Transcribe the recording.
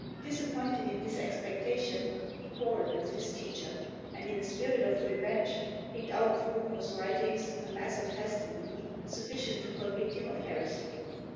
Disappointed in this expectation, he quarreled with his teacher, and in a spirit of revenge picked out of Bruno's writings a mass of testimony sufficient to convict him of heresy.